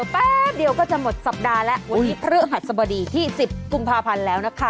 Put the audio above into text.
แป๊บเดียวก็จะหมดสัปดาห์แล้ววันนี้พฤหัสบดีที่๑๐กุมภาพันธ์แล้วนะคะ